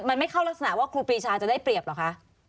มันไม่เข้ารักษณะว่าครูปีชาจะได้เปรียบเหรอคะ